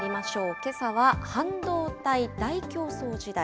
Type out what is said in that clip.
けさは、半導体大競争時代。